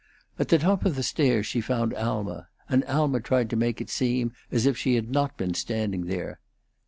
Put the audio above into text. At the top of the stairs she found Alma, and Alma tried to make it seem as if she had not been standing there.